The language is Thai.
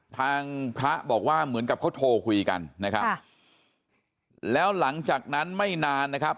ทางพระบอกว่าเหมือนกับเขาโทรคุยกันนะครับแล้วหลังจากนั้นไม่นานนะครับ